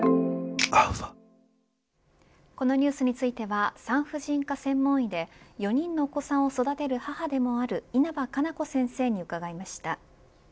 このニュースについては産婦人科専門医で４人のお子さんを育てる母でもある稲葉可奈子先生に伺いました。